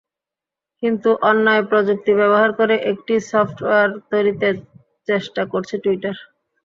কিন্তু অন্যান্য প্রযুক্তি ব্যবহার করে একটি সফটওয়্যার তৈরিতে চেষ্টা করছে টুইটার।